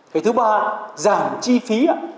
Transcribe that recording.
cái thứ ba giảm chi phí